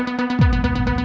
aku pernah maju kameranya